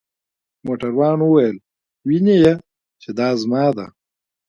موټروان وویل: وینې يې؟ چې دا زما ده.